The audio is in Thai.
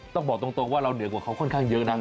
ต้องบอกตรงว่าเราเหนือกว่าเขาค่อนข้างเยอะนะ